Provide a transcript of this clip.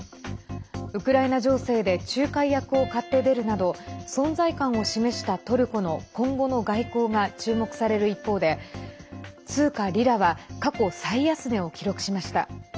ウクライナ情勢で仲介役を買って出るなど存在感を示したトルコの今後の外交が注目される一方で通貨リラは過去最安値を記録しました。